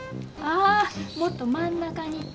あもっと真ん中に。